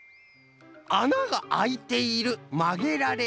「あながあいている」「まげられる」。